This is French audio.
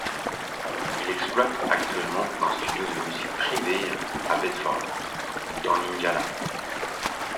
Il exploite actuellement un studio de musique privée à Bedford, dans l'Indiana.